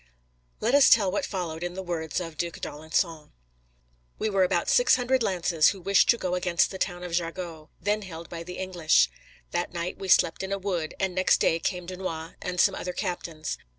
Let us tell what followed in the words of the Duc d'Alençon: "We were about six hundred lances, who wished to go against the town of Jargeau, then held by the English. That night we slept in a wood, and next day came Dunois and some other captains.